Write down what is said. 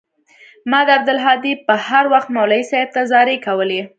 ما او عبدالهادي به هروخت مولوى صاحب ته زارۍ کولې.